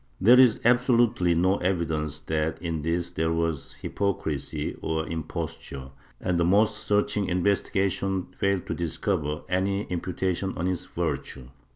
There is absolutely no evidence that in this there was hypocrisy or impos ture, and the most searching investigation failed to discover any imputation on his virtue.